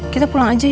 kita pulang aja ya